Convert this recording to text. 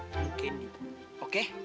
tunggu kendi oke